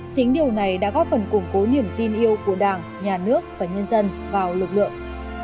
chính điều này đã góp phần củng cố niềm tin yêu của đảng nhà nước và nhân dân vào lực lượng